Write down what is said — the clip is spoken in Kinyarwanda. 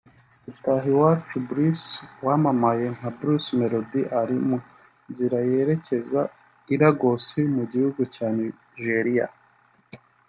Itahiwacu Bruce wamamaye nka Bruce Melodie ari mu nzira yerekeza I Lagos mu gihugu cya Nigeria